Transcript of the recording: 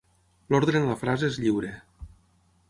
L'ordre en la frase es lliure.